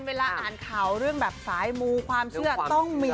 เวลาอ่านข่าวเรื่องแบบสายมูความเชื่อต้องมี